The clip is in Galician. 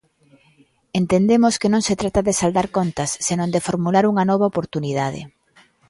"Entendemos que non se trata de saldar contas senón de formular unha nova oportunidade".